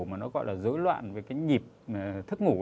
mà nó gọi là dối loạn về cái nhịp thức ngủ